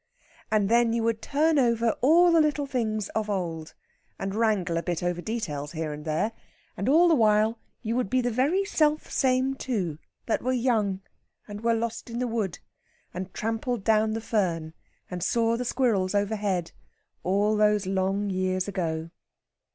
And then you would turn over all the little things of old, and wrangle a bit over details here and there; and all the while you would be the very selfsame two that were young and were lost in the wood and trampled down the fern and saw the squirrels overhead all those long years ago.